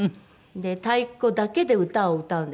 太鼓だけで歌を歌うんですね。